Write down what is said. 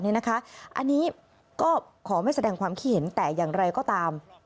อันนี้ก็ขอไม่แสดงความคิดเห็นแต่อย่างไรก็ตาม